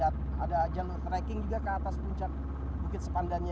ya kemudian ada jalan trekking juga ke atas puncak bukit sepandanya